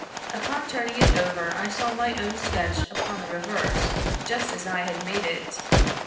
Upon turning it over, I saw my own sketch upon the re verse, just as I had made it.